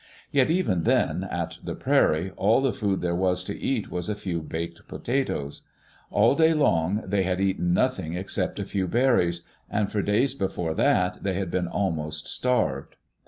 Yet even then, at the prairie, all the food there was to eat was a few baked potatoes. All day long, they had eaten nothing except a few berries; and for days before that they had been almost starved.